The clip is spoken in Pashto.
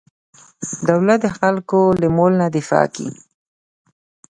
دولت د خلکو له مال دفاع کوي.